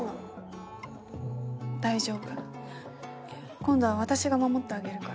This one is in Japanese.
今度は私が守ってあげるから